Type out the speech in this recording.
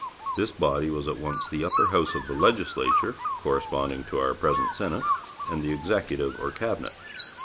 This body was at once the Upper House of the Legislature, corresponding to our present Senate, and the Executive or Cabinet.